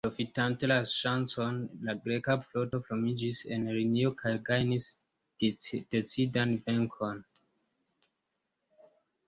Profitante la ŝancon, la greka floto formiĝis en linio kaj gajnis decidan venkon.